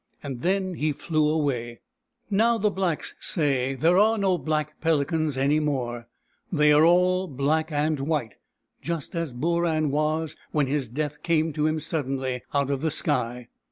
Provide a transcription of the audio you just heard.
Then he flew away. Now the blacks say, there are no black pelicans 100 BOORAN, THE PELICAN any more. They are all black and white, just as Booran was when his Death came to him suddenly out of the sky.